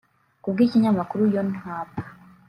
ku bw'ikinyamakuru Yonhap